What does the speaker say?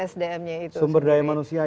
sumber daya manusia